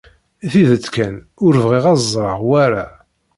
Tidet kan, ur bɣiɣ ad ẓreɣ wara.